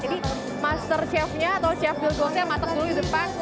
jadi master chef nya atau chef lugos nya matuk dulu di depan